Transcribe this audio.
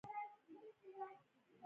واورې یو ډول ضعیفه رڼا جوړه کړې وه